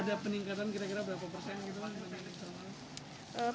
ada peningkatan kira kira berapa persen gitu kan